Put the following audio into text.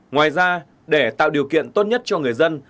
ngoài ra để tạo điều kiện tốt nhất cho người dân